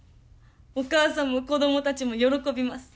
お母さんも子供たちも喜びます。